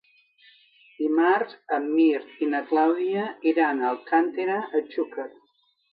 Dimarts en Mirt i na Clàudia iran a Alcàntera de Xúquer.